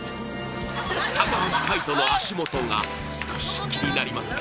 高橋海人の足元が少し気になりますが